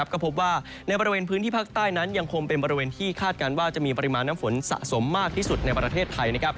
ก็พบว่าในบริเวณพื้นที่ภาคใต้นั้นยังคงเป็นบริเวณที่คาดการณ์ว่าจะมีปริมาณน้ำฝนสะสมมากที่สุดในประเทศไทย